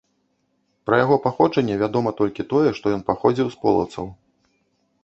Пра яго паходжанне вядома толькі тое, што ён паходзіў з полаўцаў.